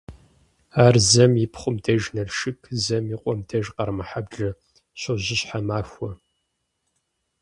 Ар зэм и пхъум деж Налшык, зэм и къуэм деж Къармэхьэблэ щожьыщхьэ махуэ.